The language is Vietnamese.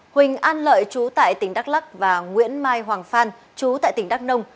huỳnh an lợi chú tại tỉnh đắk lắc và nguyễn mai hoàng phan chú tại tỉnh đắk nông